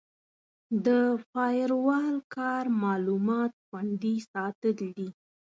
د فایروال کار معلومات خوندي ساتل دي.